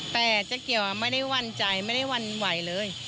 แต่เจ๊เกียวไม่ได้หวั่นใจไม่ได้วันไหวเลย